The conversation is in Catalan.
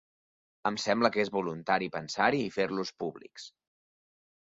Em sembla que és voluntari pensar-hi i fer-los públics.